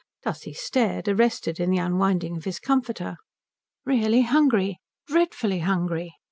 Tussie stared, arrested in the unwinding of his comforter. "Really hungry. Dreadfully hungry.